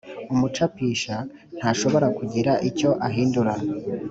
umucapisha ntashobora kugira icyo ahindura